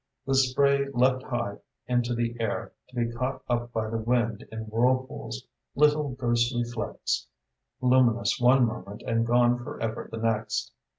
The spray leapt high into the air, to be caught up by the wind in whirlpools, little ghostly flecks, luminous one moment and gone forever the next.